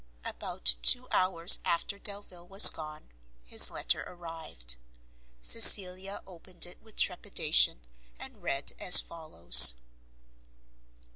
About, two hours after Delvile was gone, his letter arrived. Cecilia opened it with trepidation, and read as follows.